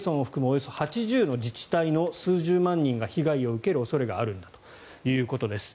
およそ８０の自治体の数十万人が被害を受ける恐れがあるんだということです。